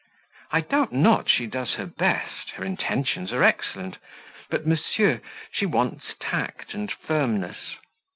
I doubt not she does her best, her intentions are excellent; but, monsieur, she wants tact and firmness.